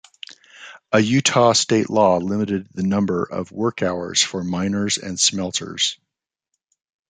A Utah state law limited the number of work hours for miners and smelters.